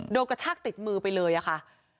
กระชากติดมือไปเลยอะค่ะ